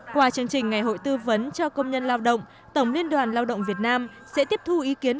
qua chương trình ngày hội tư vấn cho công nhân lao động tổng liên đoàn lao động việt nam sẽ tiếp thu ý kiến